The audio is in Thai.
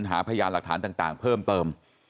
หาพยานหลักฐานต่างเพิ่มเติม